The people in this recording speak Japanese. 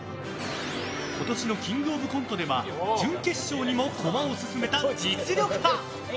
今年の「キングオブコント」では準決勝にも駒を進めた実力派。